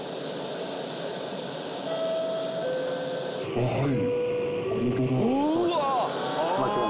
あっはい。